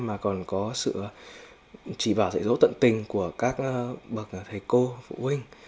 mà còn có sự chỉ bảo dạy dỗ tận tình của các bậc thầy cô phụ huynh